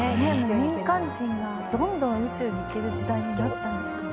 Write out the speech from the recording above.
民間人がどんどん宇宙に行ける時代になったんですね。